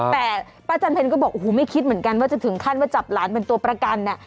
แต่ป้าจันเพลก็บอกโอ้โหไม่คิดเหมือนกันว่าจะถึงขั้นว่าจับหลานเป็นตัวประกัน